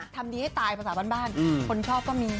ทำดีให้ตายภาษาบ้านคนชอบก็มี